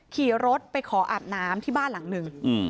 ขี่รถไปขออาบน้ำที่บ้านหลังหนึ่ง